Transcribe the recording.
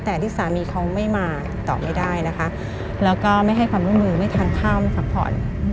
แต่ที่สามีเขาไม่มาต่อไม่ได้นะคะแล้วก็ไม่ให้ความร่วมมือไม่ทานข้าวไม่พักผ่อน